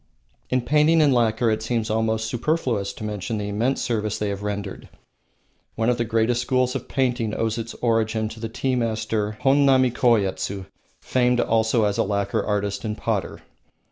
In painting and lacquer it seems almost superfluous to mention the immense services they have rendered. One of the greatest schools of painting owes its origin to the tea master Honnami Koyetsu, famed also as a lacquer artist and potter.